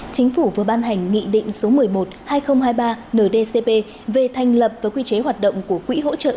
chính phủ vừa ban hành nghị định số một mươi một hai nghìn hai mươi ba ndcp về thành lập và quy chế hoạt động của quỹ hỗ trợ